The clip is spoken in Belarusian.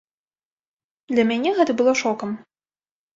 Для мяне гэта было шокам.